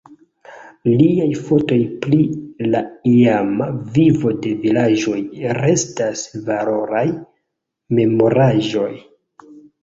Liaj fotoj pri la iama vivo de vilaĝoj restas valoraj memoraĵoj.